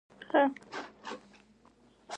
ازادي راډیو د د مخابراتو پرمختګ حالت په ډاګه کړی.